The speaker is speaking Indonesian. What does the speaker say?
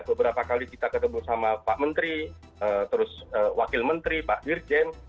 beberapa kali kita ketemu sama pak menteri terus wakil menteri pak dirjen